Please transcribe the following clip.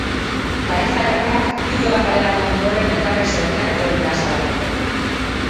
Garaitza elkarteak bideo bat kaleratu ondoren elkarren segidan etorri dira salaketok.